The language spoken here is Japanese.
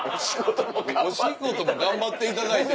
「お仕事も頑張っていただいて」。